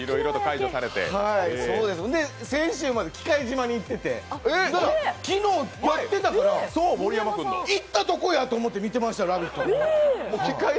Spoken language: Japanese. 先週まで喜界島に行ってて、昨日やってたから、行ったとこやと思って見てました。